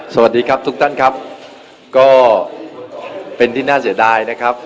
สวัสดีครับทุกท่านครับก็เป็นที่น่าเสียดายนะครับ